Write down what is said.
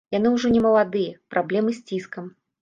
Яны ўжо немаладыя, праблемы з ціскам.